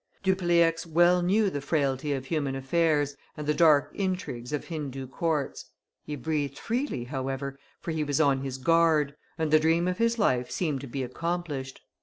Dupleix well know the frailty of human affairs, and the dark intrigues of Hindoo courts; he breathed freely, however, for he was on his guard, and the dream of his life seemed to be accomplished.